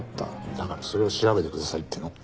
だからそれを調べてくださいっての。